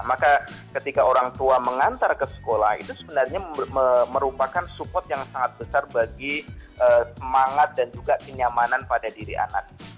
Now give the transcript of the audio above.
maka ketika orang tua mengantar ke sekolah itu sebenarnya merupakan support yang sangat besar bagi semangat dan juga kenyamanan pada diri anak